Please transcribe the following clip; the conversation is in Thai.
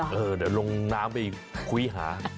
เดี๋ยวลงน้ำไปคุยหา